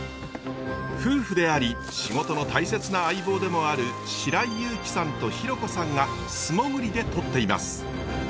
夫婦であり仕事の大切な相棒でもある白井裕樹さんと裕子さんが素潜りでとっています。